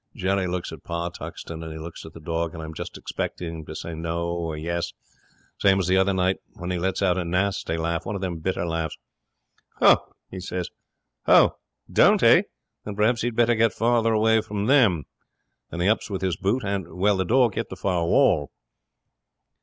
Jerry looks at Pa Tuxton, and he looks at the dog, and I'm just expecting him to say "No" or "Yes", same as the other night, when he lets out a nasty laugh one of them bitter laughs. "Ho!" he says. "Ho! don't he? Then perhaps he'd better get further away from them." And he ups with his boot and well, the dog hit the far wall.